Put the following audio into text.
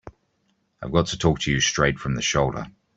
I've got to talk to you straight from the shoulder.